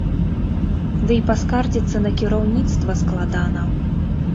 Дый паскардзіцца на кіраўніцтва складана.